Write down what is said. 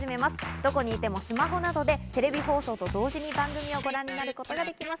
どこにいてもスマホなどでテレビ放送と同時に番組をご覧になることができます。